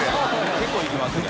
結構いきますね。